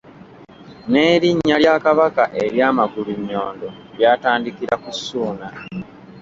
N'erinnya lya Kabaka erya Magulunnyondo lyatandikira ku Ssuuna.